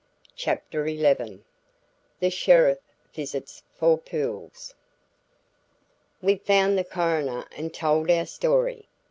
CHAPTER XI THE SHERIFF VISITS FOUR POOLS We found the coroner and told our story.